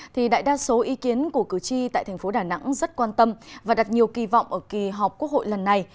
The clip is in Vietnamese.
thì đại đa số ý kiến của cử tri tại thành phố đà nẵng rất quan tâm và đặt nhiều kỳ vọng ở kỳ họp quốc hội lần này